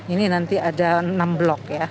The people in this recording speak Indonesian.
ini nanti ada enam blok ya